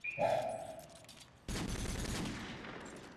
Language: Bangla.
এর পর শুরু করেন ব্যবসা।